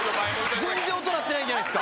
全然音鳴ってないじゃないですか。